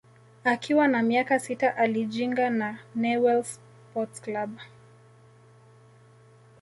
Akiwa na miaka sita alijinga na Newells sport club